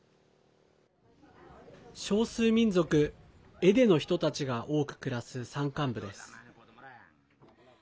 少数民族エデの人たちが多く暮らす山間部です。